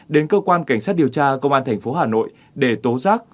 đến cơ quan cảnh sát điều tra công an thành phố hà nội để tố giác